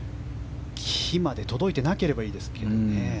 木まで届いてなければいいですけどね。